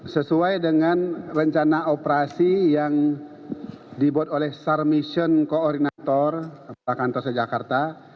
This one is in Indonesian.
sesuai dengan rencana operasi yang dibuat oleh sar mission koordinator kepala kantor sejakarta